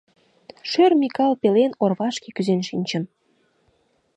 Шӧр Микал пелен орвашке кӱзен шинчым.